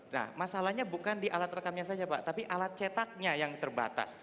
nah masalahnya bukan di alat rekamnya saja pak tapi alat cetaknya yang terbatas